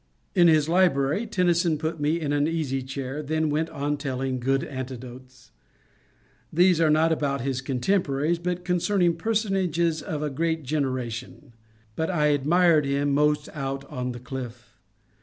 In his library Tennyson put me in an easy chair, then went on telling good anecdotes, — these not about his contemporaries, but concerning personages of a past genera tion. But I admired him most out on the cliff.